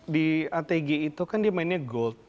di atg itu kan dia mainnya gold